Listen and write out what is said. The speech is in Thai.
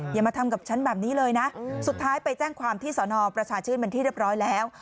อย่ามาทำกับฉันแบบนี้เลยนะสุดท้ายไปแจ้งความที่สอนอประชาชื่นเป็นที่เรียบร้อยแล้ว